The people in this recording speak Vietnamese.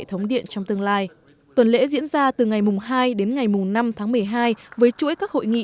thống điện trong tương lai tuần lễ diễn ra từ ngày hai đến ngày năm tháng một mươi hai với chuỗi các hội nghị